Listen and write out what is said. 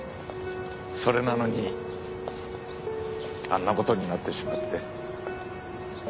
それなのにあんな事になってしまって。